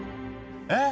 えっ！